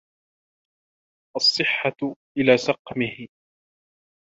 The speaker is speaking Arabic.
الصِّحَّةُ إلَى سَقَمِهِ